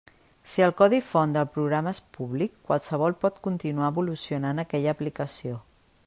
Si el codi font del programa és públic, qualsevol pot continuar evolucionant aquella aplicació.